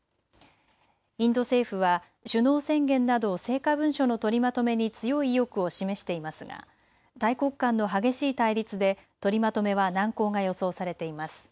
インド政府は首脳宣言など成果文書の取りまとめに強い意欲を示していますが大国間の激しい対立で取りまとめは難航が予想されています。